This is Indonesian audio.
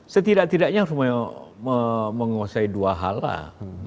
setidak tidaknya harus menguasai dua hal lah